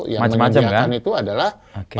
yang menyediakan itu adalah